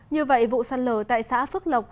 như vậy vụ sạt lở tại xã phước lộc huyện nam trà my